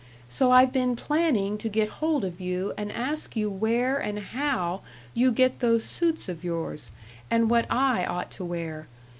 So I've been planning to get hold of you and ask you where and how you get those suits of yours, and what I ought to wear.